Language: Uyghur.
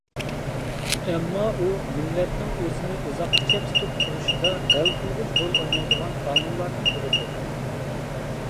ئەمما، ئۇ مىللەتنىڭ ئۆزىنى ئۇزاققىچە تۇتۇپ تۇرۇشىدا ھەل قىلغۇچ رول ئوينايدىغان ئامىللارنىڭ بىرىدۇر.